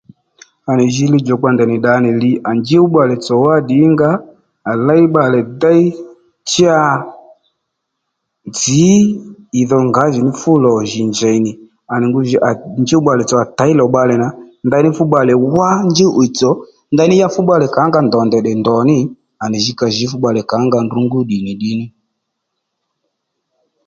À nì jǐ li djòkpà ndèynì ddǎ nì li à njúw bbalè tsò wá ddìnga ó à léy bbalè déy cha nzǐ ì dho ngǎjìní fúlò jì njèy nì à nì ngu jǐ à njúw bbalè tsò à těy lò bbalè nà ndaní fú bbalè wá njúw ì tsò ndaní ya fú bbalè kǎnga ndò dè ndò ndò ní à nì jǐ ka jǐ fú bbalè kà ó nga ndrǔ ngú ddì nì ddiy ní